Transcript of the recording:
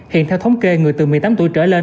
hiện theo thống kê người từ một mươi tám tuổi trở lên